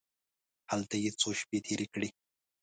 هلته یې څو شپې تېرې کړې.